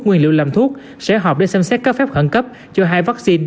nguyên liệu làm thuốc sẽ họp để xem xét cấp phép khẩn cấp cho hai vaccine